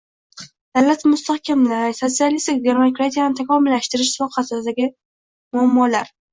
davlatni mustahkamlash, sotsialistik demokratiyani takomillashtirish sohasidagi problemalar